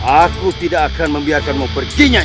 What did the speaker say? aku tidak akan membiarkanmu pergi nyai